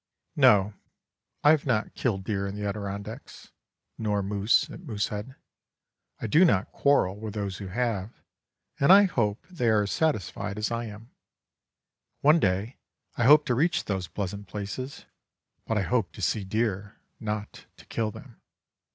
No. I have not killed deer in the Adirondacks, nor moose at Moosehead. I do not quarrel with those who have; and I hope they are as satisfied as I am. One day I hope to reach those pleasant places, but I hope to see deer, not to kill them.